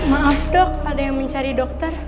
maaf dok ada yang mencari dokter